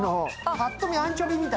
パッと見アンチョビみたい。